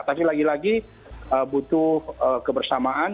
tapi lagi lagi butuh kebersamaan